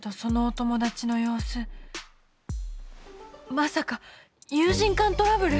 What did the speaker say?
まさか友人間トラブル！？